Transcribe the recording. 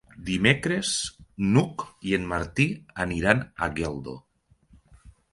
Dimecres n'Hug i en Martí aniran a Geldo.